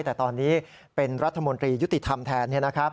แต่ตอนนี้เป็นรัฐมนตรียุติธรรมแทน